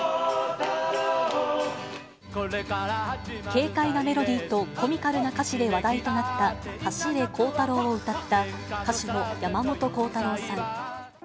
軽快なメロディーとコミカルな歌詞で話題となった、走れコウタローを歌った、歌手の山本コウタローさん。